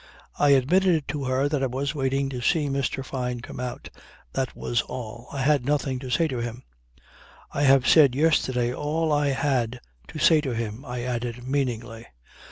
I admitted to her that I was waiting to see Mr. Fyne come out. That was all. I had nothing to say to him. "I have said yesterday all I had to say to him," I added meaningly.